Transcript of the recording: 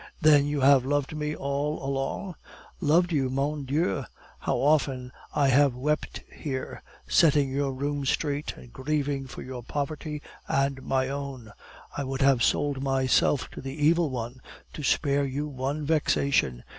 "Then you have loved me all along?" "Loved you? Mon Dieu! How often I have wept here, setting your room straight, and grieving for your poverty and my own. I would have sold myself to the evil one to spare you one vexation!